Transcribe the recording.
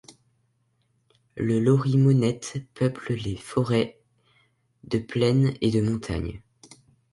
Le Lori nonnette peuple les forêts de plaine et de montagne.